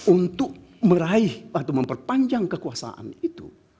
untuk meraih atau memperpanjang kekuasaan itu